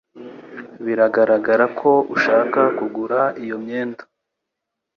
Biragaragara ko ushaka kugura iyo myenda.